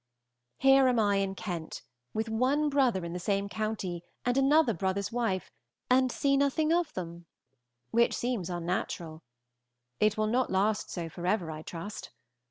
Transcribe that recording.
Here am I in Kent, with one brother in the same county and another brother's wife, and see nothing of them, which seems unnatural. It will not last so forever, I trust.